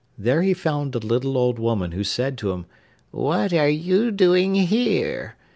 There he found a little old woman who said to him 'What are you doing here?